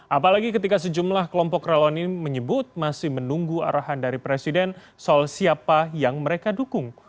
apalagi ketika sejumlah kelompok relawan ini menyebut masih menunggu arahan dari presiden soal siapa yang mereka dukung